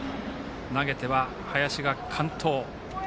投げては、林が完投。